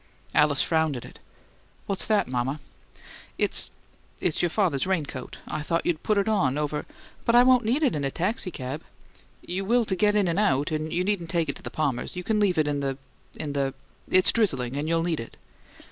Alice frowned at it. "What's that, mama?" "It's it's your father's raincoat. I thought you'd put it on over " "But I won't need it in a taxicab." "You will to get in and out, and you needn't take it into the Palmers'. You can leave it in the in the It's drizzling, and you'll need it."